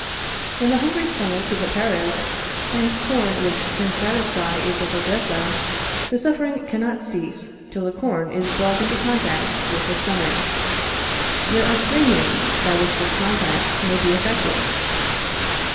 When the hungry stomach is at Paris, and corn which can satisfy it is at Odessa, the suffering cannot cease till the corn is brought into contact with the stomach. There are three means by which this contact may be effected.